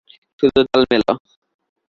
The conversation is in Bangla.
শুধু তাল মেলাও!